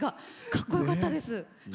かっこよかったです。